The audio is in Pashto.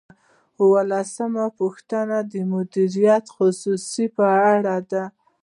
اوولسمه پوښتنه د مدیریت د خصوصیاتو په اړه ده.